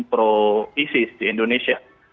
proisis di indonesia